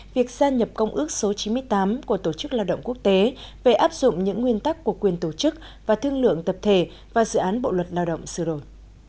việc gia nhập công ước số chín mươi tám của tổ chức lao động quốc tế về áp dụng những nguyên tắc của quyền tổ chức và thương lượng tập thể và dự án bộ luật lao động sửa đổi